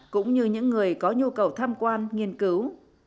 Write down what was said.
cũng như những người có nhu cầu tham quan nghiên cứu